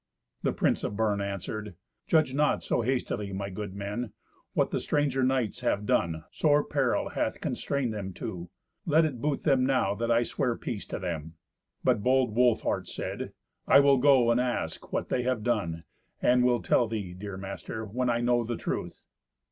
The prince of Bern answered, "Judge not so hastily, my good men. What the stranger knights have done, sore peril hath constrained them to. Let it boot them now that I sware peace to them." But bold Wolfhart said, "I will go and ask what they have done, and will tell thee, dear master, when I know the truth."